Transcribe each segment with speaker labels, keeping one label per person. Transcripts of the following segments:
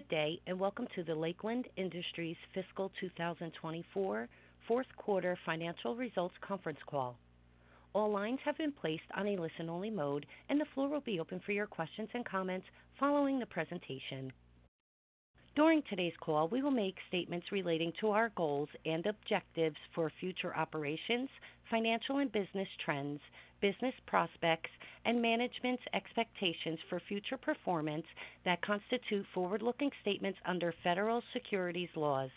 Speaker 1: Good day and welcome to the Lakeland Industries Fiscal 2024 Fourth Quarter Financial Results Conference Call. All lines have been placed on a listen-only mode, and the floor will be open for your questions and comments following the presentation. During today's call, we will make statements relating to our goals and objectives for future operations, financial and business trends, business prospects, and management's expectations for future performance that constitute forward-looking statements under federal securities laws.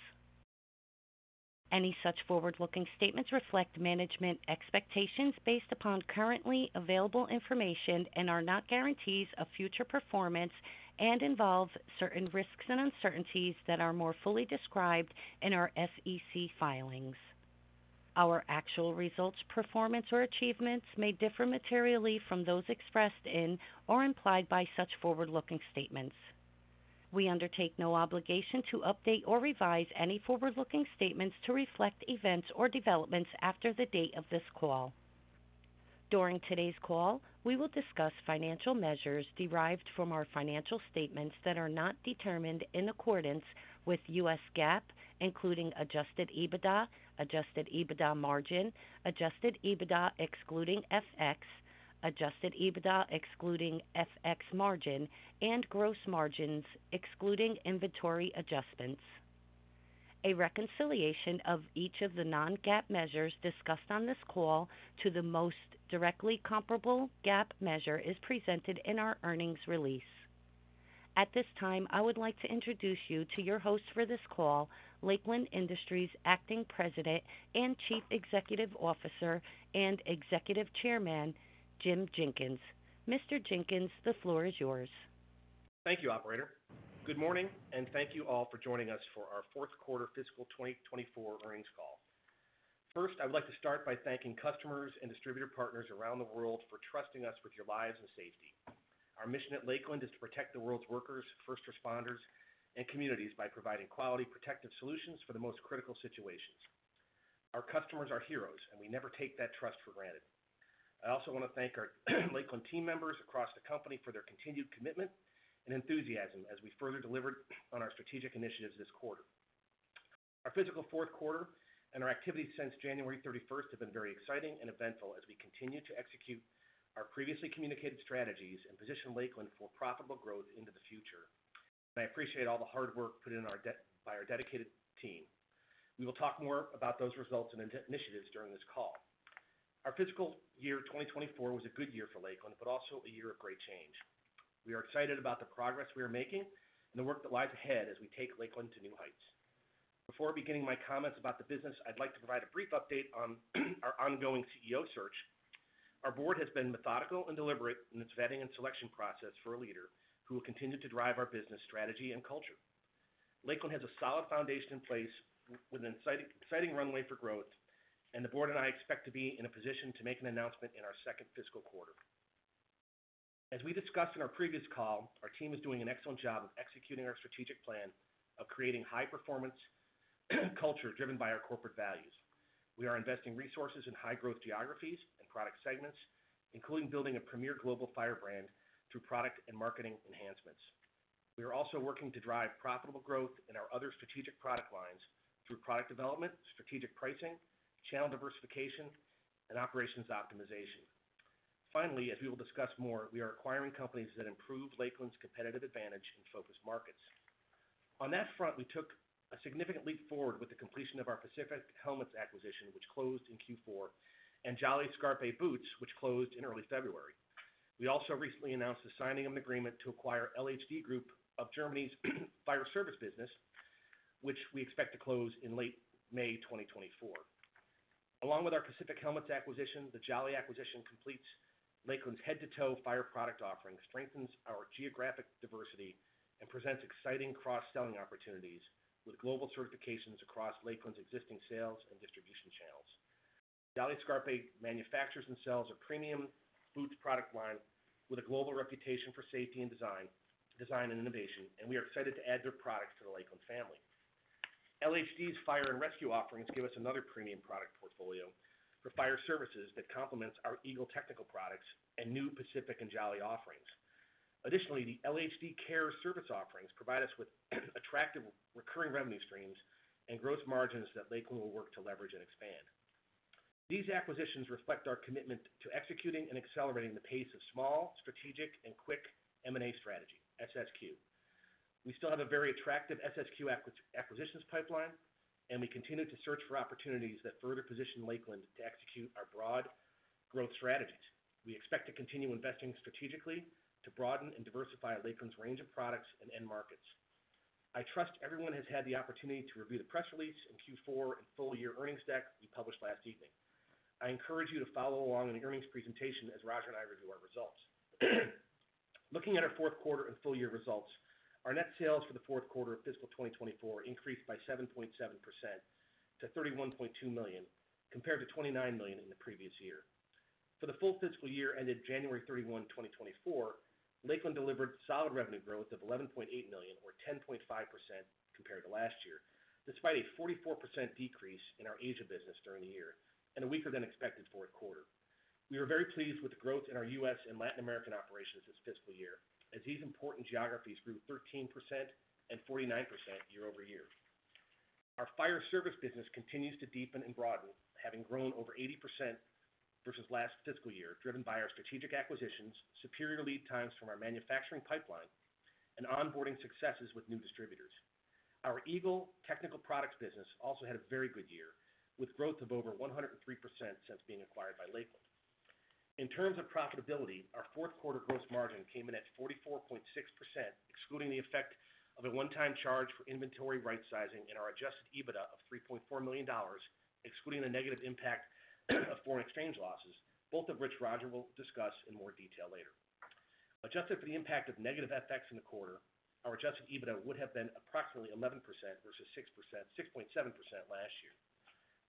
Speaker 1: Any such forward-looking statements reflect management expectations based upon currently available information and are not guarantees of future performance and involve certain risks and uncertainties that are more fully described in our SEC filings. Our actual results, performance, or achievements may differ materially from those expressed in or implied by such forward-looking statements. We undertake no obligation to update or revise any forward-looking statements to reflect events or developments after the date of this call. During today's call, we will discuss financial measures derived from our financial statements that are not determined in accordance with U.S. GAAP, including adjusted EBITDA, adjusted EBITDA margin, adjusted EBITDA excluding FX, adjusted EBITDA excluding FX margin, and gross margins excluding inventory adjustments. A reconciliation of each of the non-GAAP measures discussed on this call to the most directly comparable GAAP measure is presented in our earnings release. At this time, I would like to introduce you to your host for this call, Lakeland Industries Acting President and Chief Executive Officer and Executive Chairman, Jim Jenkins. Mr. Jenkins, the floor is yours.
Speaker 2: Thank you, Operator. Good morning, and thank you all for joining us for our Fourth Quarter Fiscal 2024 earnings call. First, I would like to start by thanking customers and distributor partners around the world for trusting us with your lives and safety. Our mission at Lakeland is to protect the world's workers, first responders, and communities by providing quality, protective solutions for the most critical situations. Our customers are heroes, and we never take that trust for granted. I also want to thank our Lakeland team members across the company for their continued commitment and enthusiasm as we further deliver on our strategic initiatives this quarter. Our fiscal fourth quarter and our activities since January 31st have been very exciting and eventful as we continue to execute our previously communicated strategies and position Lakeland for profitable growth into the future, and I appreciate all the hard work put in by our dedicated team. We will talk more about those results and initiatives during this call. Our fiscal year 2024 was a good year for Lakeland, but also a year of great change. We are excited about the progress we are making and the work that lies ahead as we take Lakeland to new heights. Before beginning my comments about the business, I'd like to provide a brief update on our ongoing CEO search. Our board has been methodical and deliberate in its vetting and selection process for a leader who will continue to drive our business strategy and culture. Lakeland has a solid foundation in place with an exciting runway for growth, and the board and I expect to be in a position to make an announcement in our second fiscal quarter. As we discussed in our previous call, our team is doing an excellent job of executing our strategic plan of creating high-performance culture driven by our corporate values. We are investing resources in high-growth geographies and product segments, including building a premier global fire brand through product and marketing enhancements. We are also working to drive profitable growth in our other strategic product lines through product development, strategic pricing, channel diversification, and operations optimization. Finally, as we will discuss more, we are acquiring companies that improve Lakeland's competitive advantage in focused markets. On that front, we took a significant leap forward with the completion of our Pacific Helmets acquisition, which closed in Q4, and Jolly Scarpe boots, which closed in early February. We also recently announced the signing of an agreement to acquire LHD Group Deutschland's fire service business, which we expect to close in late May 2024. Along with our Pacific Helmets acquisition, the Jolly acquisition completes Lakeland's head-to-toe fire product offering, strengthens our geographic diversity, and presents exciting cross-selling opportunities with global certifications across Lakeland's existing sales and distribution channels. Jolly Scarpe manufactures and sells a premium boots product line with a global reputation for safety and design and innovation, and we are excited to add their products to the Lakeland family. LHD's fire and rescue offerings give us another premium product portfolio for fire services that complements our Eagle Technical Products and new Pacific and Jolly offerings. Additionally, the LHD CARE service offerings provide us with attractive recurring revenue streams and gross margins that Lakeland will work to leverage and expand. These acquisitions reflect our commitment to executing and accelerating the pace of small, strategic, and quick M&A strategy, SSQ. We still have a very attractive SSQ acquisitions pipeline, and we continue to search for opportunities that further position Lakeland to execute our broad growth strategies. We expect to continue investing strategically to broaden and diversify Lakeland's range of products and end markets. I trust everyone has had the opportunity to review the press release in Q4 and full-year earnings deck we published last evening. I encourage you to follow along in the earnings presentation as Roger and I review our results. Looking at our fourth quarter and full-year results, our net sales for the fourth quarter of fiscal 2024 increased by 7.7% to $31.2 million, compared to $29 million in the previous year. For the full fiscal year ended January 31, 2024, Lakeland delivered solid revenue growth of $11.8 million, or 10.5%, compared to last year, despite a 44% decrease in our Asia business during the year and a weaker than expected fourth quarter. We are very pleased with the growth in our U.S. and Latin American operations this fiscal year, as these important geographies grew 13% and 49% year-over-year. Our fire service business continues to deepen and broaden, having grown over 80% versus last fiscal year, driven by our strategic acquisitions, superior lead times from our manufacturing pipeline, and onboarding successes with new distributors. Our Eagle Technical Products business also had a very good year, with growth of over 103% since being acquired by Lakeland. In terms of profitability, our fourth quarter gross margin came in at 44.6%, excluding the effect of a one-time charge for inventory right-sizing and our Adjusted EBITDA of $3.4 million, excluding the negative impact of foreign exchange losses, both of which Roger will discuss in more detail later. Adjusted for the impact of negative FX in the quarter, our Adjusted EBITDA would have been approximately 11% versus 6.7% last year.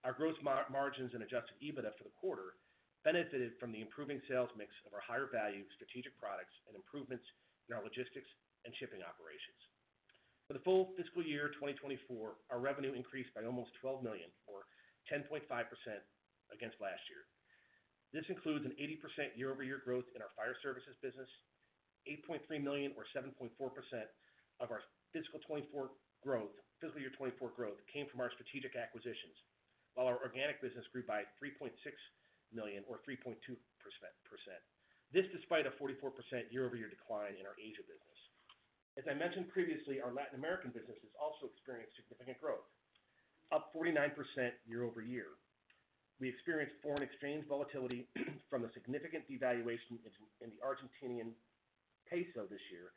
Speaker 2: Our gross margins and Adjusted EBITDA for the quarter benefited from the improving sales mix of our higher-value strategic products and improvements in our logistics and shipping operations. For the full fiscal year 2024, our revenue increased by almost $12 million, or 10.5%, against last year. This includes an 80% year-over-year growth in our fire services business. $8.3 million, or 7.4%, of our fiscal year 2024 growth came from our strategic acquisitions, while our organic business grew by $3.6 million, or 3.2%, this despite a 44% year-over-year decline in our Asia business. As I mentioned previously, our Latin American business has also experienced significant growth, up 49% year-over-year. We experienced foreign exchange volatility from the significant devaluation in the Argentinian peso this year,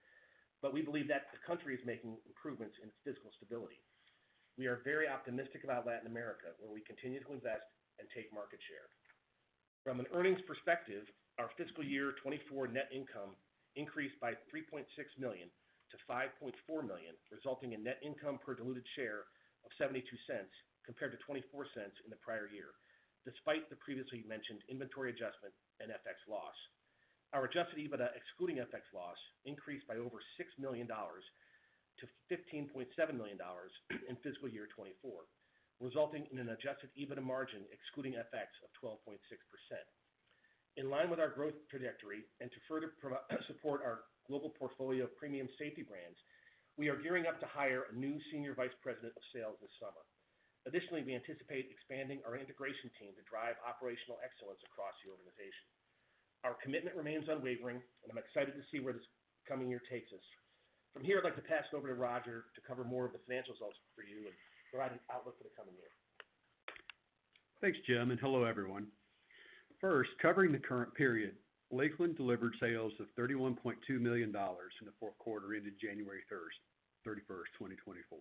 Speaker 2: but we believe that the country is making improvements in its fiscal stability. We are very optimistic about Latin America, where we continue to invest and take market share. From an earnings perspective, our fiscal year 2024 net income increased by $3.6 million to $5.4 million, resulting in net income per diluted share of $0.72 compared to $0.24 in the prior year, despite the previously mentioned inventory adjustment and FX loss. Our Adjusted EBITDA excluding FX loss increased by over $6 million to $15.7 million in fiscal year 2024, resulting in an Adjusted EBITDA margin excluding FX of 12.6%. In line with our growth trajectory and to further support our global portfolio of premium safety brands, we are gearing up to hire a new senior vice president of sales this summer. Additionally, we anticipate expanding our integration team to drive operational excellence across the organization. Our commitment remains unwavering, and I'm excited to see where this coming year takes us. From here, I'd like to pass it over to Roger to cover more of the financial results for you and provide an outlook for the coming year.
Speaker 3: Thanks, Jim, and hello everyone. First, covering the current period, Lakeland delivered sales of $31.2 million in the fourth quarter ended January 31st, 2024.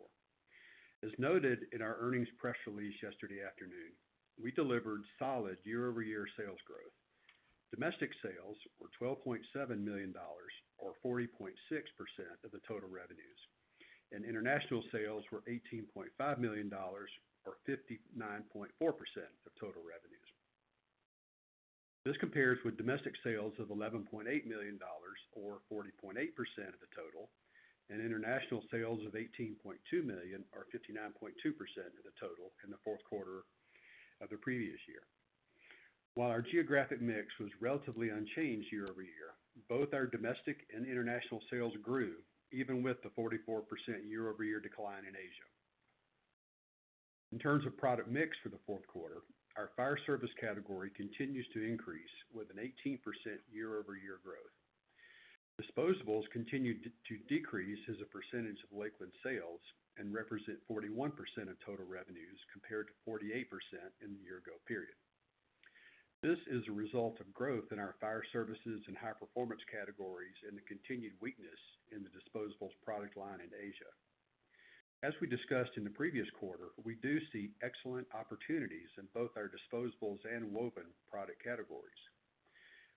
Speaker 3: As noted in our earnings press release yesterday afternoon, we delivered solid year-over-year sales growth. Domestic sales were $12.7 million, or 40.6% of the total revenues, and international sales were $18.5 million, or 59.4% of total revenues. This compares with domestic sales of $11.8 million, or 40.8% of the total, and international sales of $18.2 million, or 59.2% of the total, in the fourth quarter of the previous year. While our geographic mix was relatively unchanged year-over-year, both our domestic and international sales grew, even with the 44% year-over-year decline in Asia. In terms of product mix for the fourth quarter, our fire service category continues to increase with an 18% year-over-year growth. Disposables continue to decrease as a percentage of Lakeland sales and represent 41% of total revenues compared to 48% in the year-ago period. This is a result of growth in our fire services and high-performance categories and the continued weakness in the disposables product line in Asia. As we discussed in the previous quarter, we do see excellent opportunities in both our disposables and woven product categories.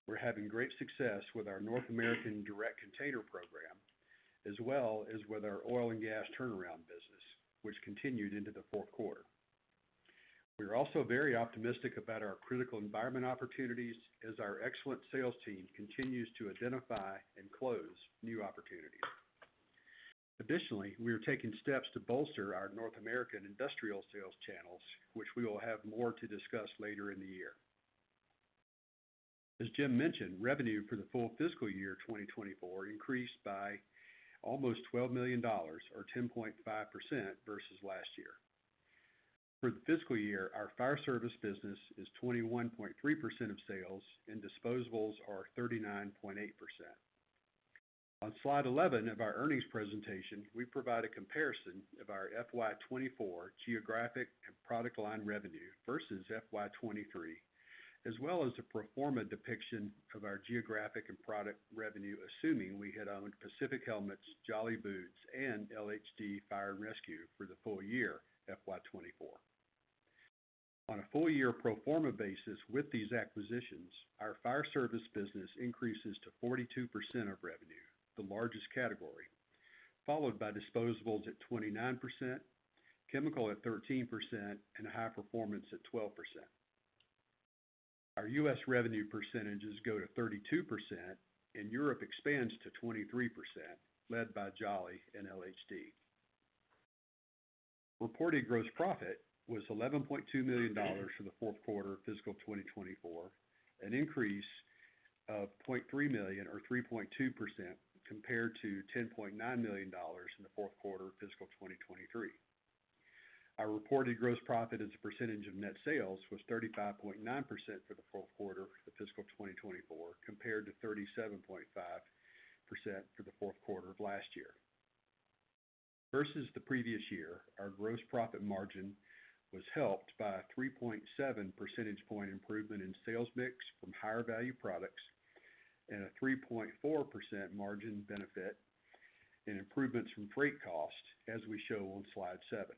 Speaker 3: We're having great success with our North American direct container program, as well as with our oil and gas turnaround business, which continued into the fourth quarter. We are also very optimistic about our critical environment opportunities as our excellent sales team continues to identify and close new opportunities. Additionally, we are taking steps to bolster our North American industrial sales channels, which we will have more to discuss later in the year. As Jim mentioned, revenue for the full fiscal year 2024 increased by almost $12 million, or 10.5%, versus last year. For the fiscal year, our fire service business is 21.3% of sales, and disposables are 39.8%. On slide 11 of our earnings presentation, we provide a comparison of our FY24 geographic and product line revenue versus FY23, as well as a pro forma depiction of our geographic and product revenue, assuming we had owned Pacific Helmets, Jolly Boots, and LHD fire and rescue for the full year FY24. On a full-year pro forma basis with these acquisitions, our fire service business increases to 42% of revenue, the largest category, followed by disposables at 29%, chemical at 13%, and high performance at 12%. Our U.S. revenue percentages go to 32%, and Europe expands to 23%, led by Jolly and LHD. Reported gross profit was $11.2 million for the fourth quarter of fiscal 2024, an increase of $0.3 million, or 3.2%, compared to $10.9 million in the fourth quarter of fiscal 2023. Our reported gross profit as a percentage of net sales was 35.9% for the fourth quarter of fiscal 2024, compared to 37.5% for the fourth quarter of last year. Versus the previous year, our gross profit margin was helped by a 3.7 percentage point improvement in sales mix from higher-value products and a 3.4% margin benefit in improvements from freight costs, as we show on slide seven.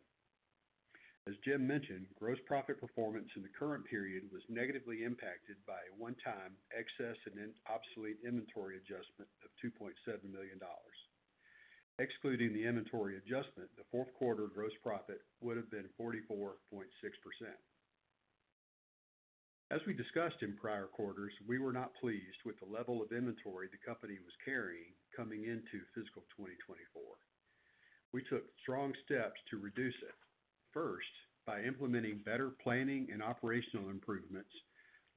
Speaker 3: As Jim mentioned, gross profit performance in the current period was negatively impacted by a one-time excess and obsolete inventory adjustment of $2.7 million. Excluding the inventory adjustment, the fourth quarter gross profit would have been 44.6%. As we discussed in prior quarters, we were not pleased with the level of inventory the company was carrying coming into fiscal 2024. We took strong steps to reduce it, first by implementing better planning and operational improvements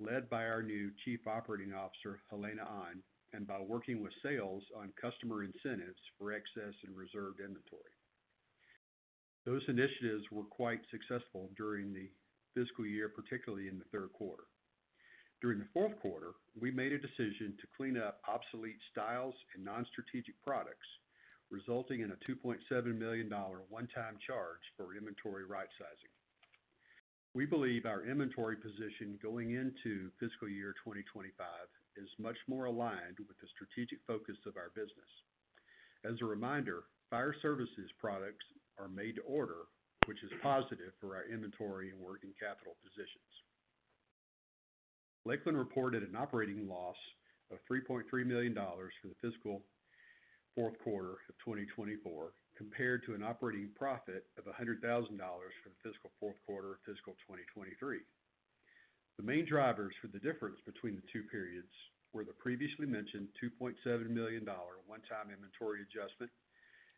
Speaker 3: led by our new Chief Operating Officer, Helena An, and by working with sales on customer incentives for excess and reserved inventory. Those initiatives were quite successful during the fiscal year, particularly in the third quarter. During the fourth quarter, we made a decision to clean up obsolete styles and non-strategic products, resulting in a $2.7 million one-time charge for inventory right-sizing. We believe our inventory position going into fiscal year 2025 is much more aligned with the strategic focus of our business. As a reminder, fire services products are made to order, which is positive for our inventory and working capital positions. Lakeland reported an operating loss of $3.3 million for the fiscal fourth quarter of 2024, compared to an operating profit of $100,000 for the fiscal fourth quarter of fiscal 2023. The main drivers for the difference between the two periods were the previously mentioned $2.7 million one-time inventory adjustment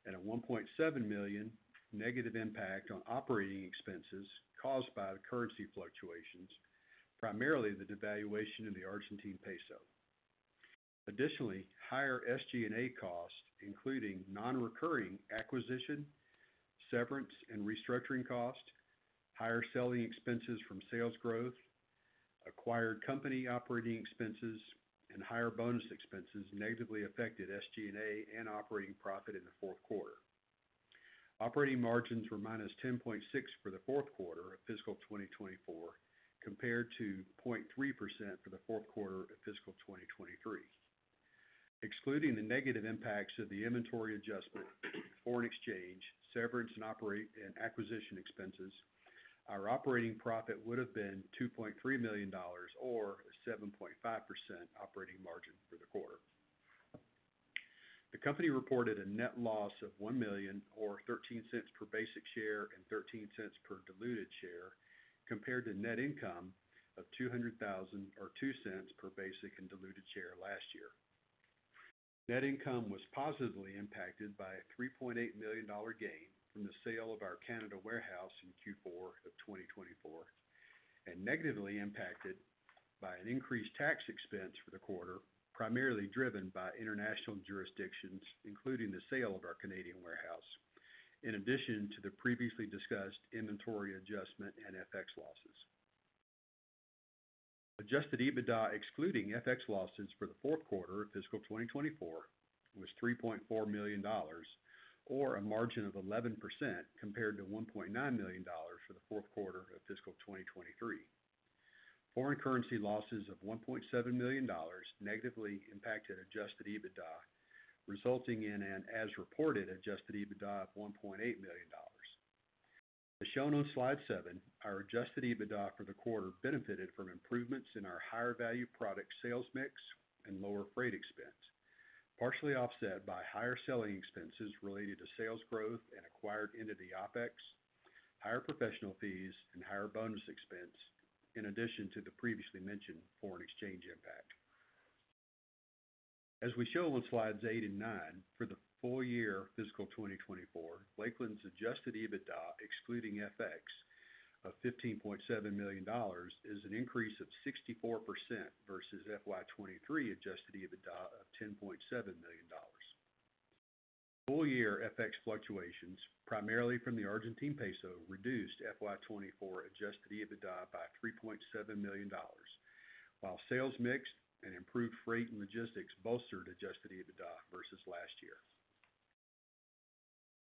Speaker 3: and a $1.7 million negative impact on operating expenses caused by the currency fluctuations, primarily the devaluation in the Argentine peso. Additionally, higher SG&A costs, including non-recurring acquisition, severance, and restructuring costs, higher selling expenses from sales growth, acquired company operating expenses, and higher bonus expenses negatively affected SG&A and operating profit in the fourth quarter. Operating margins were -10.6% for the fourth quarter of fiscal 2024, compared to 0.3% for the fourth quarter of fiscal 2023. Excluding the negative impacts of the inventory adjustment, foreign exchange, severance, and acquisition expenses, our operating profit would have been $2.3 million, or a 7.5% operating margin for the quarter. The company reported a net loss of $1 million, or $0.13 per basic share and $0.13 per diluted share, compared to net income of $200,000, or $0.02 per basic and diluted share last year. Net income was positively impacted by a $3.8 million gain from the sale of our Canada warehouse in Q4 of 2024 and negatively impacted by an increased tax expense for the quarter, primarily driven by international jurisdictions, including the sale of our Canadian warehouse, in addition to the previously discussed inventory adjustment and FX losses. Adjusted EBITDA excluding FX losses for the fourth quarter of fiscal 2024 was $3.4 million, or a margin of 11% compared to $1.9 million for the fourth quarter of fiscal 2023. Foreign currency losses of $1.7 million negatively impacted adjusted EBITDA, resulting in an as-reported adjusted EBITDA of $1.8 million. As shown on slide seven, our adjusted EBITDA for the quarter benefited from improvements in our higher-value product sales mix and lower freight expense, partially offset by higher selling expenses related to sales growth and acquired entity OPEX, higher professional fees, and higher bonus expense, in addition to the previously mentioned foreign exchange impact. As we show on slides eight and nine, for the full year fiscal 2024, Lakeland's adjusted EBITDA excluding FX of $15.7 million is an increase of 64% versus FY23 adjusted EBITDA of $10.7 million. Full-year FX fluctuations, primarily from the Argentine peso, reduced FY24 adjusted EBITDA by $3.7 million, while sales mix and improved freight and logistics bolstered adjusted EBITDA versus last year.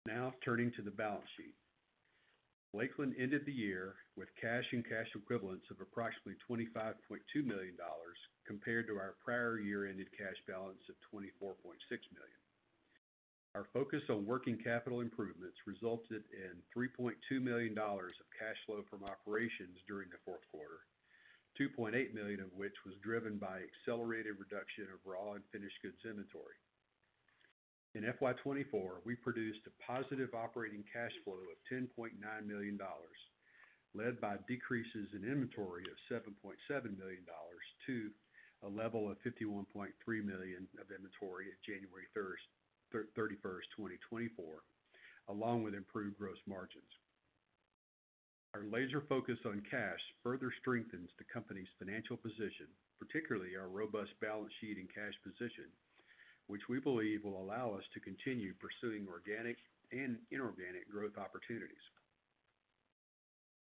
Speaker 3: Now turning to the balance sheet. Lakeland ended the year with cash and cash equivalents of approximately $25.2 million compared to our prior year-ended cash balance of $24.6 million. Our focus on working capital improvements resulted in $3.2 million of cash flow from operations during the fourth quarter, $2.8 million of which was driven by accelerated reduction of raw and finished goods inventory. In FY24, we produced a positive operating cash flow of $10.9 million, led by decreases in inventory of $7.7 million to a level of $51.3 million of inventory at January 31st, 2024, along with improved gross margins. Our laser focus on cash further strengthens the company's financial position, particularly our robust balance sheet and cash position, which we believe will allow us to continue pursuing organic and inorganic growth opportunities.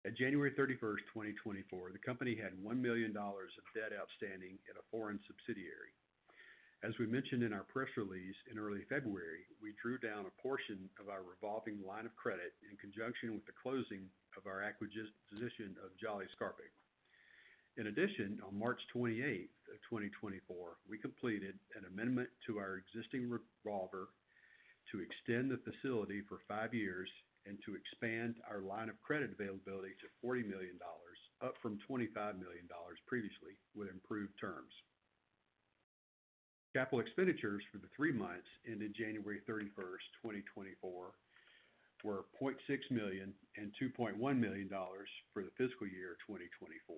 Speaker 3: At January 31st, 2024, the company had $1 million of debt outstanding at a foreign subsidiary. As we mentioned in our press release in early February, we drew down a portion of our revolving line of credit in conjunction with the closing of our acquisition of Jolly Scarpe. In addition, on March 28th, 2024, we completed an amendment to our existing revolver to extend the facility for five years and to expand our line of credit availability to $40 million, up from $25 million previously with improved terms. Capital expenditures for the three months ended January 31st, 2024, were $0.6 million and $2.1 million for the fiscal year 2024.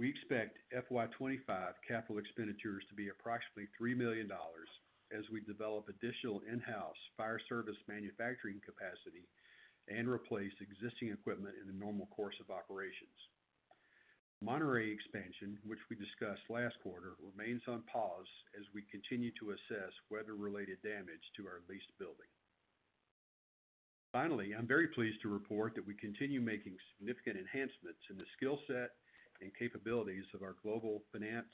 Speaker 3: We expect FY25 capital expenditures to be approximately $3 million as we develop additional in-house fire service manufacturing capacity and replace existing equipment in the normal course of operations. Monterrey expansion, which we discussed last quarter, remains on pause as we continue to assess weather-related damage to our leased building. Finally, I'm very pleased to report that we continue making significant enhancements in the skill set and capabilities of our global finance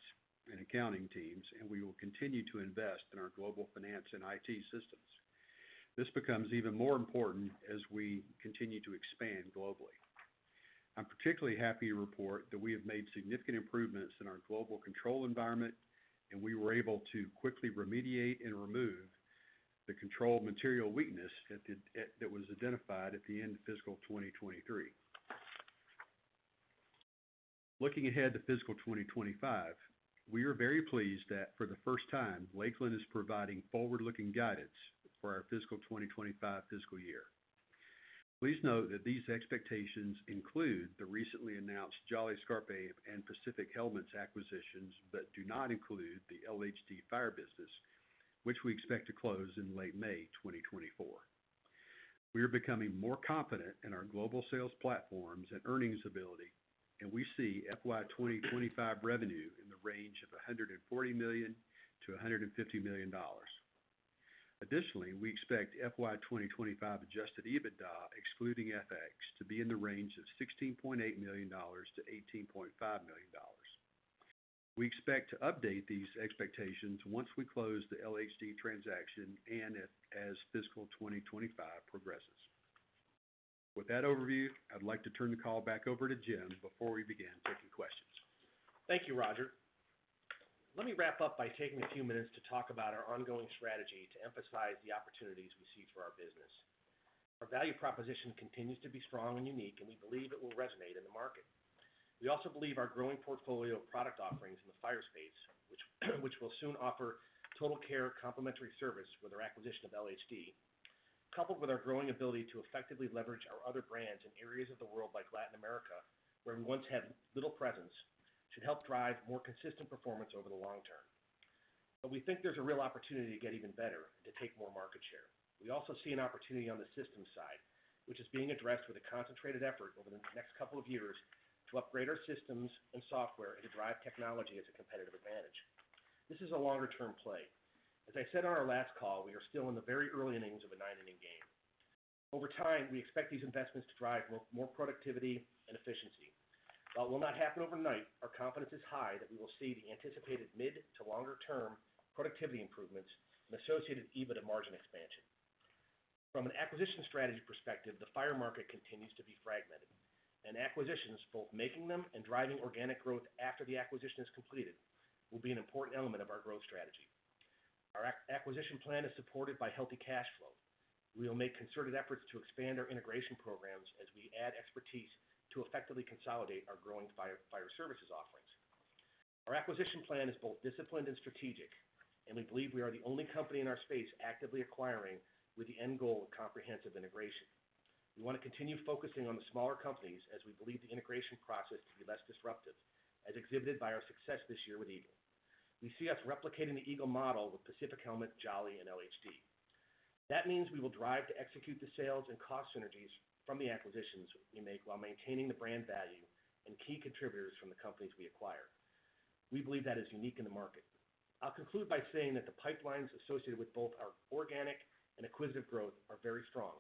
Speaker 3: and accounting teams, and we will continue to invest in our global finance and IT systems. This becomes even more important as we continue to expand globally. I'm particularly happy to report that we have made significant improvements in our global control environment, and we were able to quickly remediate and remove the controlled material weakness that was identified at the end of fiscal 2023. Looking ahead to fiscal 2025, we are very pleased that, for the first time, Lakeland is providing forward-looking guidance for our fiscal 2025 fiscal year. Please note that these expectations include the recently announced Jolly Scarpe and Pacific Helmets acquisitions but do not include the LHD fire business, which we expect to close in late May 2024. We are becoming more confident in our global sales platforms and earnings ability, and we see FY2025 revenue in the range of $140 million-$150 million. Additionally, we expect FY2025 adjusted EBITDA excluding FX to be in the range of $16.8 million-$18.5 million. We expect to update these expectations once we close the LHD transaction and as fiscal 2025 progresses. With that overview, I'd like to turn the call back over to Jim before we begin taking questions.
Speaker 2: Thank you, Roger. Let me wrap up by taking a few minutes to talk about our ongoing strategy to emphasize the opportunities we see for our business. Our value proposition continues to be strong and unique, and we believe it will resonate in the market. We also believe our growing portfolio of product offerings in the fire space, which will soon offer Total Care complementary service with our acquisition of LHD, coupled with our growing ability to effectively leverage our other brands in areas of the world like Latin America, where we once had little presence, should help drive more consistent performance over the long term. But we think there's a real opportunity to get even better and to take more market share. We also see an opportunity on the systems side, which is being addressed with a concentrated effort over the next couple of years to upgrade our systems and software and to drive technology as a competitive advantage. This is a longer-term play. As I said on our last call, we are still in the very early innings of a ninth-inning game. Over time, we expect these investments to drive more productivity and efficiency. While it will not happen overnight, our confidence is high that we will see the anticipated mid to longer-term productivity improvements and associated EBITDA margin expansion. From an acquisition strategy perspective, the fire market continues to be fragmented, and acquisitions, both making them and driving organic growth after the acquisition is completed, will be an important element of our growth strategy. Our acquisition plan is supported by healthy cash flow. We will make concerted efforts to expand our integration programs as we add expertise to effectively consolidate our growing fire services offerings. Our acquisition plan is both disciplined and strategic, and we believe we are the only company in our space actively acquiring with the end goal of comprehensive integration. We want to continue focusing on the smaller companies as we believe the integration process to be less disruptive, as exhibited by our success this year with Eagle. We see us replicating the Eagle model with Pacific Helmets, Jolly, and LHD. That means we will drive to execute the sales and cost synergies from the acquisitions we make while maintaining the brand value and key contributors from the companies we acquire. We believe that is unique in the market. I'll conclude by saying that the pipelines associated with both our organic and acquisitive growth are very strong,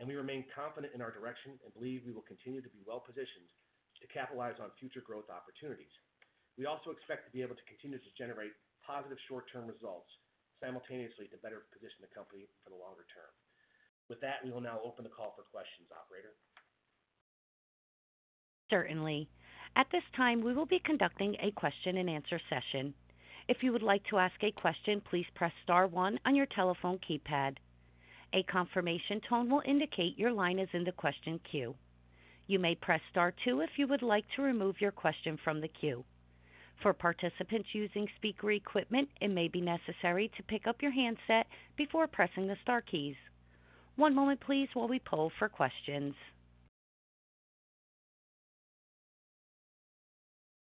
Speaker 2: and we remain confident in our direction and believe we will continue to be well-positioned to capitalize on future growth opportunities. We also expect to be able to continue to generate positive short-term results simultaneously to better position the company for the longer term. With that, we will now open the call for questions, operator.
Speaker 1: Certainly. At this time, we will be conducting a question-and-answer session. If you would like to ask a question, please press star one on your telephone keypad. A confirmation tone will indicate your line is in the question queue. You may press star two if you would like to remove your question from the queue. For participants using speaker equipment, it may be necessary to pick up your handset before pressing the star keys. One moment, please, while we pull for questions.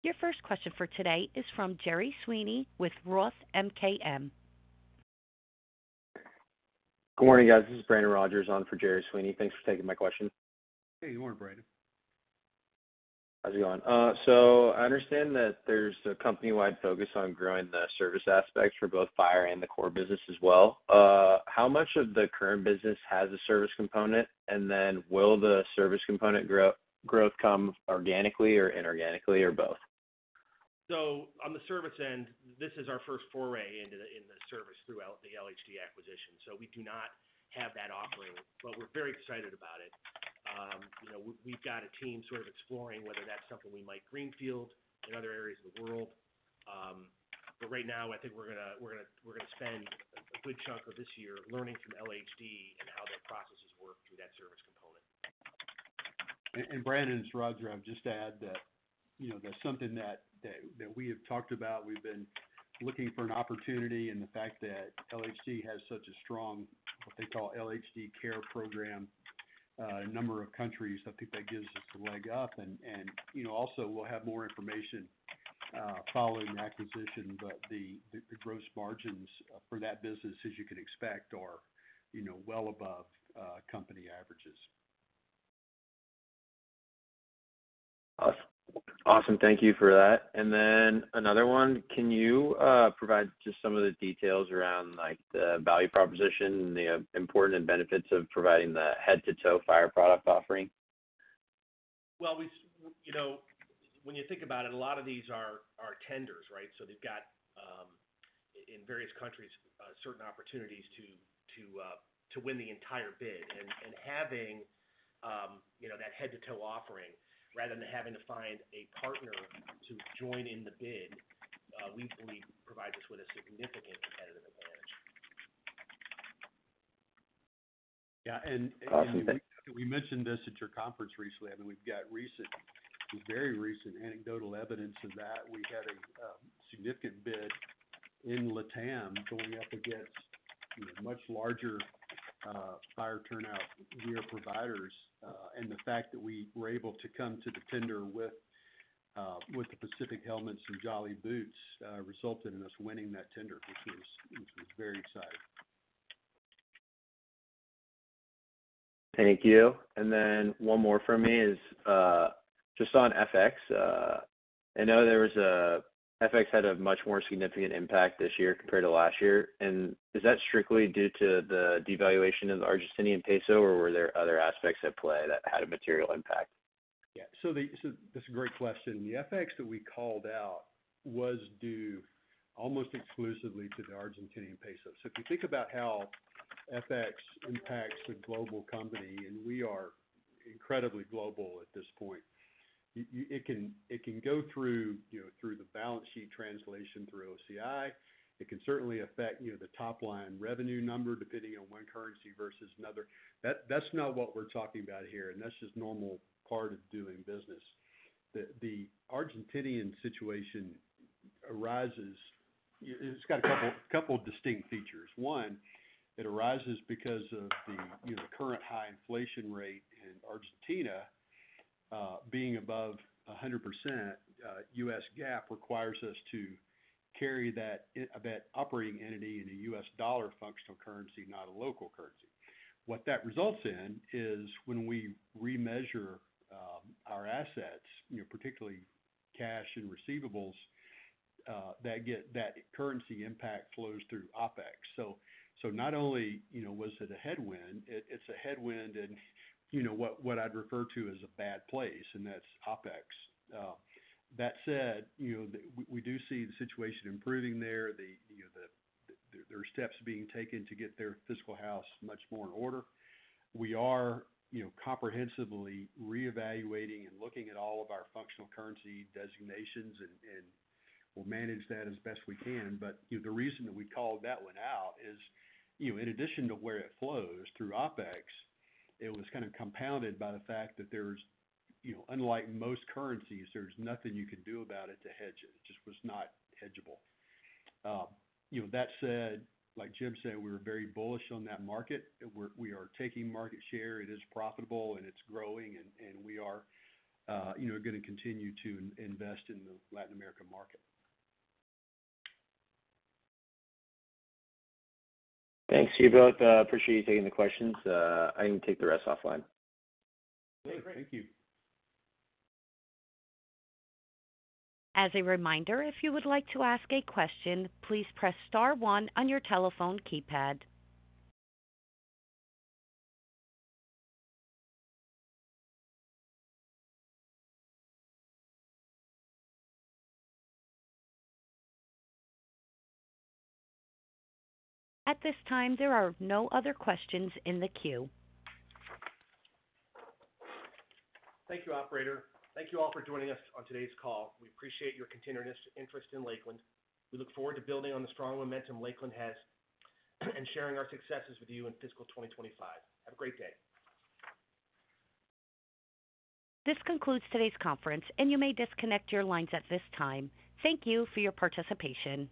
Speaker 1: Your first question for today is from Gerry Sweeney with Roth MKM.
Speaker 4: Good morning, guys. This is Brandon Rogers on for Gerry Sweeney. Thanks for taking my question.
Speaker 2: Hey, good morning, Brandon. How's it going?
Speaker 4: So I understand that there's a company-wide focus on growing the service aspects for both fire and the core business as well. How much of the current business has a service component, and then will the service component growth come organically or inorganically or both?
Speaker 2: So on the service end, this is our first foray into the service throughout the LHD acquisition. So we do not have that offering, but we're very excited about it. We've got a team sort of exploring whether that's something we might greenfield in other areas of the world. But right now, I think we're going to spend a good chunk of this year learning from LHD and how their processes work through that service component.
Speaker 3: Brandon, this is Roger, I'll just add that that's something that we have talked about. We've been looking for an opportunity in the fact that LHD has such a strong, what they call, LHD CARE program, a number of countries. I think that gives us a leg up. Also, we'll have more information following the acquisition, but the gross margins for that business, as you can expect, are well above company averages.
Speaker 4: Awesome. Thank you for that. Then another one, can you provide just some of the details around the value proposition and the important and benefits of providing the head-to-toe fire product offering?
Speaker 2: Well, when you think about it, a lot of these are tenders, right? So they've got, in various countries, certain opportunities to win the entire bid. And having that head-to-toe offering, rather than having to find a partner to join in the bid, we believe provides us with a significant competitive advantage.
Speaker 3: Yeah. And we mentioned this at your conference recently. I mean, we've got recent, very recent anecdotal evidence of that. We had a significant bid in LatAm going up against much larger fire turnout gear providers. And the fact that we were able to come to the tender with the Pacific Helmets and Jolly Boots resulted in us winning that tender, which was very exciting.
Speaker 4: Thank you. And then one more from me is just on FX. I know FX had a much more significant impact this year compared to last year. Is that strictly due to the devaluation of the Argentine peso, or were there other aspects at play that had a material impact?
Speaker 3: Yeah. So this is a great question. The FX that we called out was due almost exclusively to the Argentine peso. So if you think about how FX impacts a global company, and we are incredibly global at this point, it can go through the balance sheet translation through OCI. It can certainly affect the top-line revenue number, depending on one currency versus another. That's not what we're talking about here, and that's just normal part of doing business. The Argentine situation arises. It's got a couple of distinct features. One, it arises because of the current high inflation rate, and Argentina being above 100% U.S. GAAP requires us to carry that operating entity in a U.S. dollar functional currency, not a local currency. What that results in is when we remeasure our assets, particularly cash and receivables, that currency impact flows through OPEX. So not only was it a headwind, it's a headwind in what I'd refer to as a bad place, and that's OPEX. That said, we do see the situation improving there. There are steps being taken to get their fiscal house much more in order. We are comprehensively reevaluating and looking at all of our functional currency designations, and we'll manage that as best we can. But the reason that we called that one out is, in addition to where it flows through OPEX, it was kind of compounded by the fact that, unlike most currencies, there's nothing you can do about it to hedge it. It just was not hedgeable. That said, like Jim said, we were very bullish on that market. We are taking market share. It is profitable, and it's growing, and we are going to continue to invest in the Latin American market.
Speaker 4: Thanks to you both. I appreciate you taking the questions. I can take the rest offline.
Speaker 1: Okay. Great. Thank you. As a reminder, if you would like to ask a question, please press star one on your telephone keypad. At this time, there are no other questions in the queue.
Speaker 2: Thank you, operator. Thank you all for joining us on today's call. We appreciate your continuous interest in Lakeland. We look forward to building on the strong momentum Lakeland has and sharing our successes with you in fiscal 2025. Have a great day.
Speaker 1: This concludes today's conference, and you may disconnect your lines at this time. Thank you for your participation.